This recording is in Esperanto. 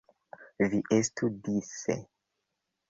Vi estu dise.